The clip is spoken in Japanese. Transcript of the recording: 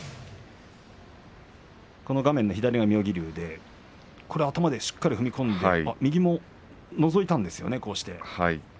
画面の左が妙義龍で頭でしっかり踏み込んで右ものぞいたんですよね。